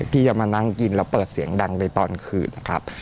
ที่จะมานั่งกินแล้วเปิดเสียงดังในตอนคืนนะครับ